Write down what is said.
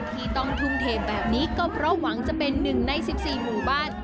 ที่ต้องทุ่มเทแบบนี้ก็เพราะหวังจะเป็นหนึ่งใน๑๔หมู่บ้าน